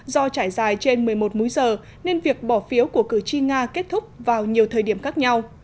do trải dài trên một mươi một múi giờ nên việc bỏ phiếu của cử tri nga kết thúc vào nhiều thời điểm khác nhau